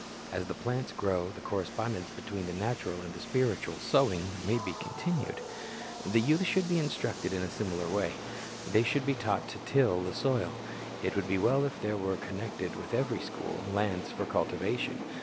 As the plants grow, the correspondence between the natural and the spir itual sowing may be continued. The youth should be instructed in a similar way. They should be taught to till the soil. It would be well if there were, connected with every school, lands for cultivation.